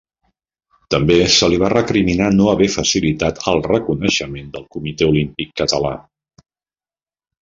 També se li va recriminar no haver facilitat el reconeixement del Comitè Olímpic Català.